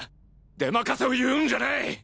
でまかせを言うんじゃない！